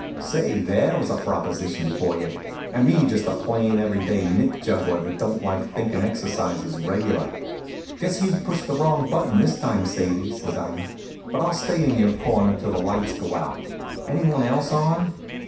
Say, there was a proposition for you! And me just a plain, every day mitt juggler that don't take thinkin' exercises reg'lar. "Guess you've pushed the wrong button this time, Sadie," says I. "But I'll stay in your corner till the lights go out. Is anyone else on?"